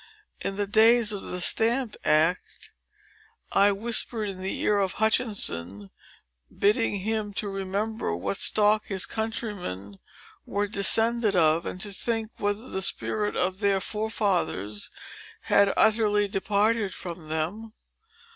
In the days of the Stamp Act, I whispered in the ear of Hutchinson, bidding him to remember what stock his countrymen were descended of, and to think whether the spirit of their forefathers had utterly departed from them.